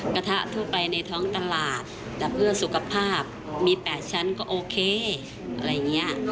กระทะทั่วไปในท้องตลาดแต่เพื่อสุขภาพมี๘ชั้นก็โอเคอะไรอย่างนี้